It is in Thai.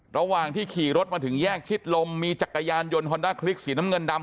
ระหว่างที่ขี่รถมาถึงแยกชิดลมมีจักรยานยนต์ฮอนด้าคลิกสีน้ำเงินดำ